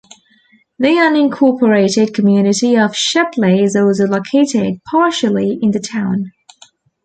The unincorporated community of Shepley is also located partially in the town.